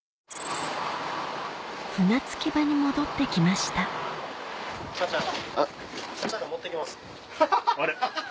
船着き場に戻って来ましたあれ？